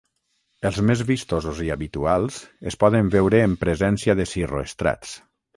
Els més vistosos i habituals es poden veure en presència de cirroestrats.